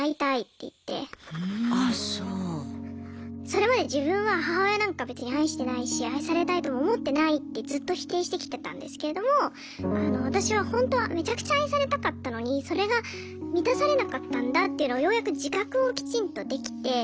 それまで自分は母親なんか別に愛してないし愛されたいとも思ってないってずっと否定してきてたんですけれども私はほんとはめちゃくちゃ愛されたかったのにそれが満たされなかったんだっていうのをようやく自覚をきちんとできて。